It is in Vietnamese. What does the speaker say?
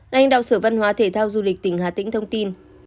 lãnh đạo sở văn hóa thể thao du lịch tỉnh hà tĩnh thông tin